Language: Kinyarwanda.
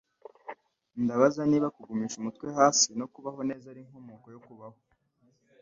Ndabaza niba kugumisha umutwe hasi no kubaho neza ari inkomoko yo kubaho?